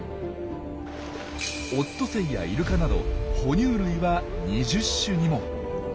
オットセイやイルカなど哺乳類は２０種にも！